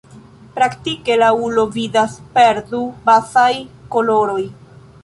Praktike la ulo vidas per du bazaj koloroj.